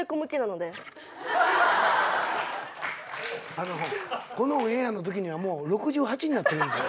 あのこのオンエアのときにはもう６８になってるんです。